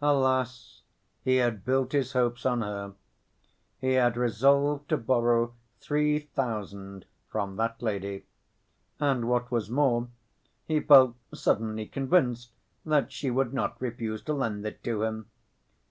Alas! he had built his hopes on her. He had resolved to borrow three thousand from that lady. And what was more, he felt suddenly convinced that she would not refuse to lend it to him.